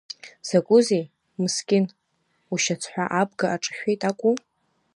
Закәызеи, Мыскьын, ушьацҳәа абга аҿашәеит акәу?